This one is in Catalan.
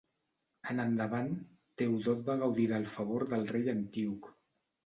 En endavant Teodot va gaudir del favor del rei Antíoc.